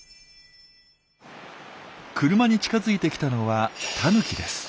車に近づいてきたのはタヌキです。